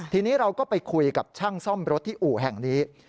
ทีนี้เราก็ไปคุยกับช่างซ่อมรถที่อู่แห่งนี้